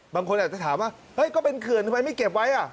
บางคนอาจจะถามว่าเฮ้ยก็เป็นเขื่อนทำไมไม่เก็บไว้